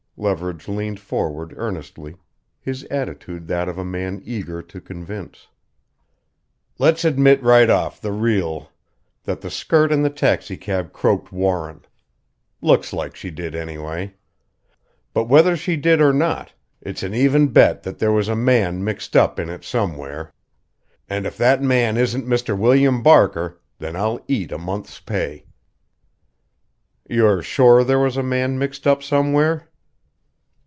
Leverage leaned forward earnestly, his attitude that of a man eager to convince. "Let's admit right off the reel that the skirt in the taxicab croaked Warren. Looks like she did, anyway; but whether she did or not, it's an even bet that there was a man mixed up in it somewhere. And if that man isn't Mr. William Barker, then I'll eat a month's pay." "You're sure there was a man mixed up somewhere?"